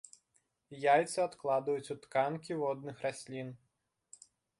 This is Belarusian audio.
Яйцы адкладваюць у тканкі водных раслін.